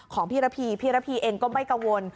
ของพี่ระพีพี่ระพีเองก็ไม่กังวล